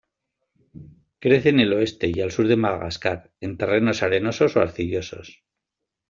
Crece en el oeste y al sur de Madagascar, en terrenos arenosos o arcillosos.